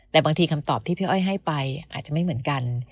แต่บางทีคำตอบที่พี่อ้อยให้ไปอาจจะไม่เหมือนกัน